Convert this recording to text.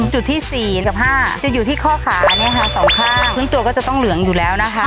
จุดที่๔กับ๕จะอยู่ที่ข้อขาเนี่ยค่ะสองข้างพื้นตัวก็จะต้องเหลืองอยู่แล้วนะคะ